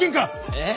えっ？